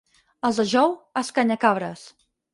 Els de Jou, escanyacabres.